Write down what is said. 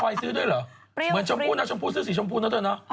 ไม่เหรอเหมือนชมพูนะชมพูซื้อสีชมพูนะเธอเนอะ